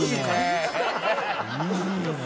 いいねえ。